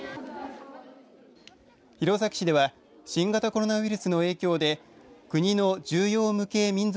弘前市では新型コロナウイルスの影響で国の重要無形民俗